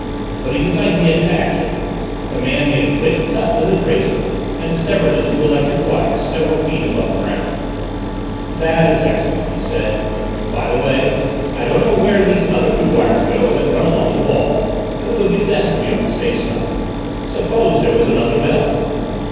Putting his idea into action, the man made a quick cut with his razor and severed the two electric wires several feet above the ground. "That is excellent," he said. "By the way, I don't know where these other two wires go that run along the wall, but it is best to be on the safe side. Suppose there were another bell?"